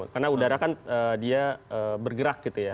karena udara kan dia bergerak gitu ya